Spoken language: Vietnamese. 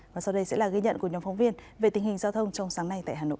và sau đây sẽ là ghi nhận của nhóm phóng viên về tình hình giao thông trong sáng nay tại hà nội